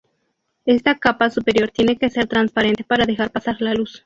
Esta capa superior tiene que ser transparente para dejar pasar la luz.